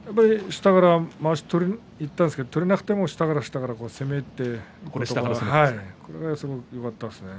下からまわしを取りにいったんですが、取れなくても下から下から攻めてこれが、すごいよかったですね。